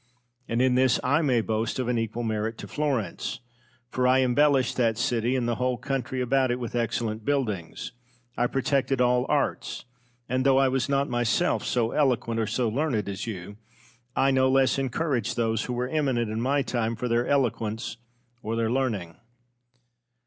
And in this I may boast of an equal merit to Florence. For I embellished that city and the whole country about it with excellent buildings; I protected all arts; and, though I was not myself so eloquent or so learned as you, I no less encouraged those who were eminent in my time for their eloquence or their learning.